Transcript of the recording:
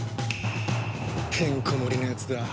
てんこ盛りのやつだ。